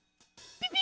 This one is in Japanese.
ピピ！